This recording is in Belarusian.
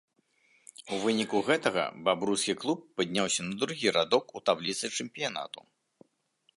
У выніку гэтага бабруйскі клуб падняўся на другі радок у табліцы чэмпіянату.